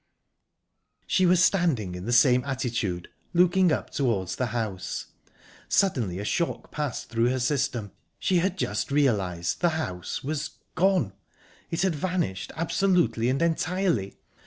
She was standing in the same attitude looking up towards the house. Suddenly a shock passed through her system. She had just realised the house was gone. It had vanished, absolutely and entirely.